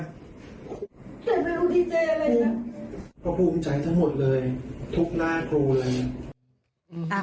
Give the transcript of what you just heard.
เพราะภูมิใจทั้งหมดเลยทุกหน้าครูเลย